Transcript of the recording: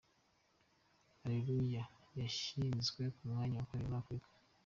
Areruya yashyizwe ku mwanya wa kabiri muri Afurika.